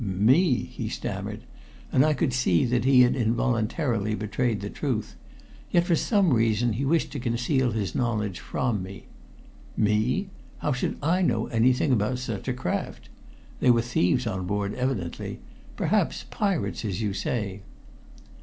"Me!" he stammered, and I could see that he had involuntarily betrayed the truth, yet for some reason he wished to conceal his knowledge from me. "Me! How should I know anything about such a craft? They were thieves on board evidently perhaps pirates, as you say."